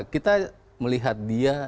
kita melihat dia